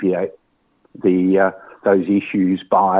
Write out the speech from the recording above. kita harus menurunkan dan mempermudahkan isu isu itu